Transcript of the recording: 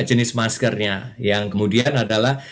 jenis maskernya yang kemudian adalah